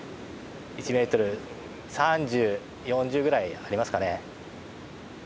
１ｍ３０、４０ぐらいありますかね。